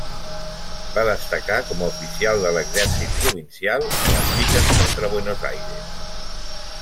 Va destacar com a oficial de l'exèrcit provincial en les lluites contra Buenos Aires.